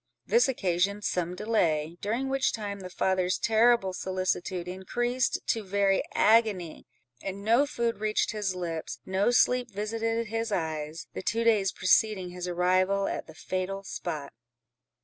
This occasioned some delay, during which time the father's terrible solicitude increased to very agony; and no food reached his lips, no sleep visited his eyes, the two days preceding his arrival at the fatal spot.